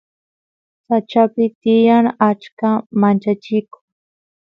sachapi tiyan achka manchachiko